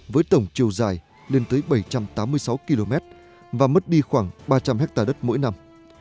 với tổng chiều dài lên tới bảy trăm tám mươi sáu km và mất đi khoảng ba trăm linh hectare đất mỗi năm